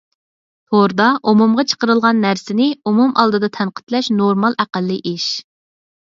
توردا ئومۇمغا چىقىرىلغان نەرسىنى ئومۇم ئالدىدا تەنقىدلەش نورمال ئەقەللىي ئىش.